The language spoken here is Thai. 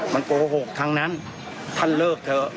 มันโกหกทั้งนั้นท่านเลิกเถอะ